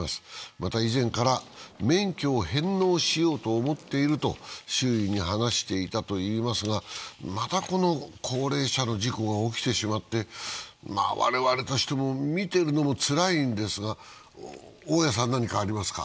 また以前から免許を返納しようと思っていると周囲に話していたといいますが、また高齢者の事故が起きてしまって我々としても見ているのもつらいんですが、大宅さん何かありますか？